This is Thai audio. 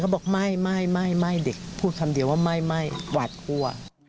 บอกไม่เด็กพูดคำเดียวว่าไม่หวาดกลัว